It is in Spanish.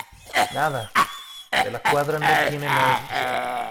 nada, De la Cuadra no tiene nada especial.